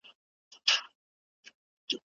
هم پلو لمبه لمبه دی هم دستار په اور کي سوځي